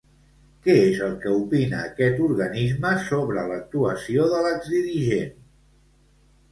Què és el que opina aquest organisme sobre l'actuació de l'exdirigent?